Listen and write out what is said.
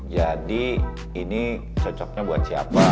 jadi ini cocoknya buat siapa